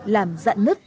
làm giạn nứt